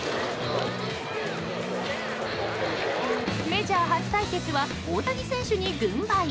メジャー初対決は大谷選手に軍配。